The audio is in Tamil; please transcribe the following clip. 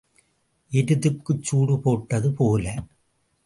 எருதுக்குச் சூடு போட்டது போல.